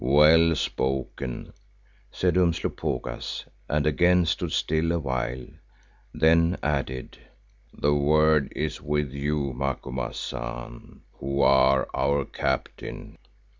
"Well spoken!" said Umslopogaas, and again stood still a while, then added, "The word is with you, Macumazahn, who are our captain."